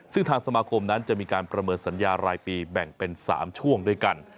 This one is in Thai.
ซึ่งทางสมาคมนั้นจะมีการประเมินสัญญารายปีแบ่งเป็น๓ช่วงด้วยกัน